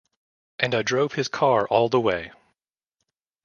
And I drove his car all the way.